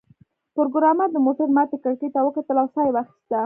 پروګرامر د موټر ماتې کړکۍ ته وکتل او ساه یې واخیسته